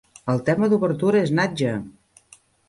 El tema d'obertura és Nadja!!